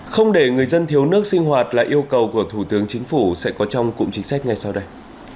không để người dân thiếu nước sinh hoạt là yêu cầu của thủ tướng chính phủ sẽ có trong cụm chính sách ngay sau đây